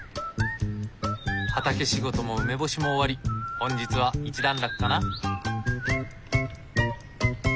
畑仕事も梅干しも終わり本日は一段落かな？